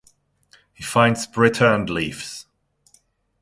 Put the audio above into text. He finds Britta and leaves.